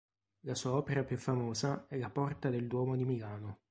La sua opera più famosa è la porta del duomo di Milano.